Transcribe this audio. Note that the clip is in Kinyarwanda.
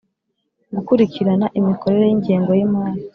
gukurikirana imikorere y ingengo y imari.